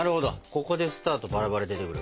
ここでスタートバラバラ出てくる。